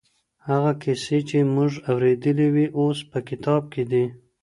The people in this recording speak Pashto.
هغه کيسې چي موږ اورېدلې وې اوس په کتاب کي دي.